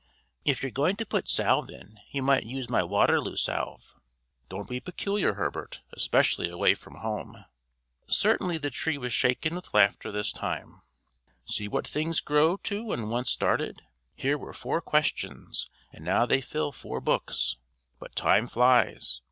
"If you're going to put salve in, you might use my Waterloo salve!" "Don't be peculiar, Herbert especially away from home!" Certainly the Tree was shaken with laughter this time. "See what things grow to when once started; here were four questions, and now they fill four books. But time flies.